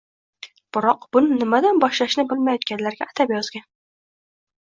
Biroq buni nimadan boshlashni bilmayotganlarga atab yozgan